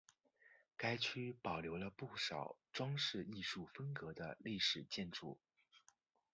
该区保留了不少装饰艺术风格的历史建筑。